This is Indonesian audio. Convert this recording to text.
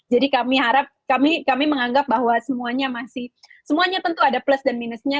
jadi kami menganggap bahwa semuanya masih semuanya tentu ada plus dan minusnya